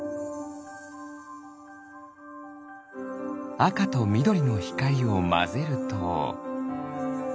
あかとみどりのひかりをまぜると。